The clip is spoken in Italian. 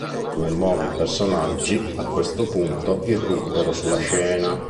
Due nuovi personaggi, a questo punto, irruppero sulla scena.